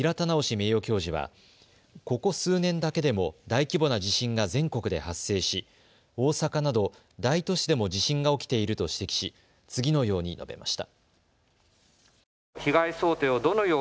名誉教授は、ここ数年だけでも大規模な地震が全国で発生し大阪など大都市でも地震が起きていると指摘し次のように述べました。